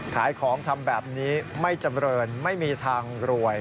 ขายของทำแบบนี้ไม่จำเรินไม่มีทางรวย